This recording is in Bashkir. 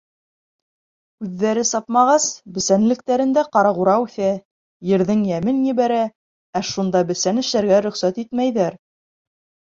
Үҙҙәре сапмағас, бесәнлектәрендә ҡарағура үҫә, ерҙең йәмен ебәрә, ә шунда бесән эшләргә рөхсәт итмәйҙәр.